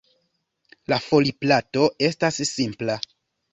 La foliplato estas simpla.